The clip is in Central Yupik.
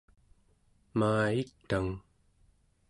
maa-i tang